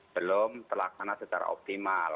belum telaktanan secara optimal